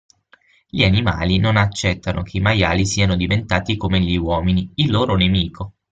Gli animali non accettano che i maiali siano diventati come gli uomini, il loro nemico.